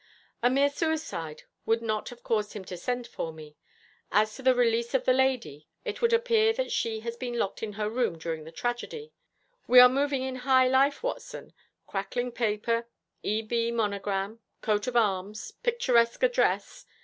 A mere suicide would not have caused him to send for me. As to the release of the lady, it would appear that she has been locked in her room during the tragedy. We are moving in high life, Watson, crackling paper, 'E.B.' monogram, coat of arms, picturesque address.